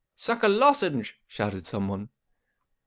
1 Suck a lozenge," shouted someone.